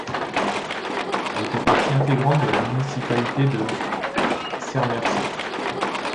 Elle fait partie intégrante de la municipalité de Sermersooq.